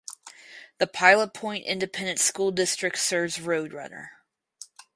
The Pilot Point Independent School District serves Road Runner.